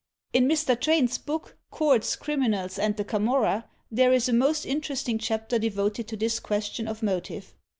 In Mr. Train's book, "Courts, Criminals and the Camorra," there is a most interesting chapter devoted to this question of motive.